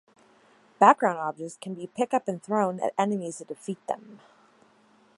Background objects can be pick up and thrown at enemies to defeat them.